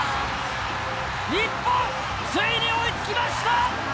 日本、ついに追いつきました！